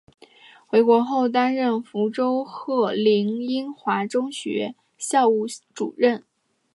回国后担任福州鹤龄英华中学校务主任。